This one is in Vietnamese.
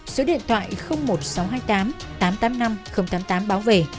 số điện thoại một nghìn sáu trăm hai mươi tám tám trăm tám mươi năm tám mươi tám báo về